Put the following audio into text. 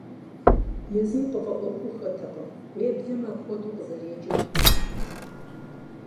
Езым къыфӀэӀуэхуххэтэкъым, уеблэмэ апхуэдэу къызэреджэр и гуапэт.